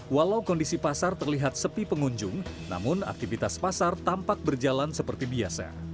walau kondisi pasar terlihat sepi pengunjung namun aktivitas pasar tampak berjalan seperti biasa